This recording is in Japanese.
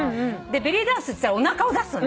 でベリーダンスっつったらおなかを出すのね。